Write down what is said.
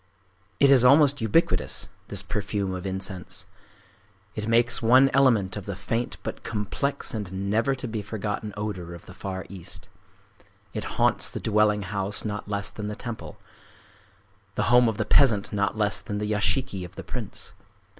It is almost ubiquitous,—this perfume of incense. It makes one element of the faint but complex and never to be forgotten odor of the Far East. It haunts the dwelling house not less than the temple,—the home of the peasant not less than the yashiki of the prince.